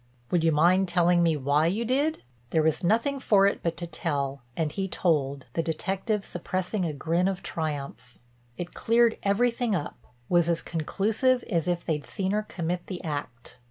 "Would you mind telling me why you did?" There was nothing for it but to tell, and he told, the detective suppressing a grin of triumph. It cleared up everything, was as conclusive as if they'd seen her commit the act.